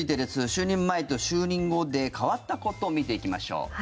就任前と就任後で変わったことを見ていきましょう。